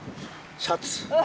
シャツ。